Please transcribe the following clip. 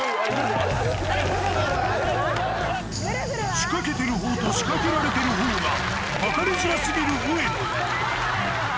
仕掛けてるほうと仕掛けられてるほうが、分かりづらすぎる植野。